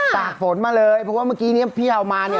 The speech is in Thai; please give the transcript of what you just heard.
ตากฝนมาเลยเพราะว่าเมื่อกี้เนี่ยพี่เอามาเนี่ย